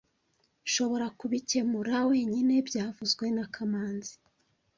Nshobora kubikemura wenyine byavuzwe na kamanzi